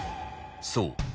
そう